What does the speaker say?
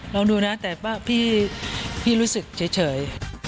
ลองดูนะแต่ว่าพี่รู้สึกเฉย